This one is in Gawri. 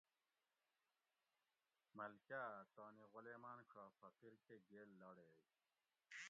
ملکا اٞ تانی غُلیماٞن ݭا فقیر کہ گیل لاڑیگ